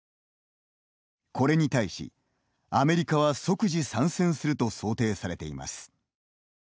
これに対し、アメリカは即時参戦すると想定されています。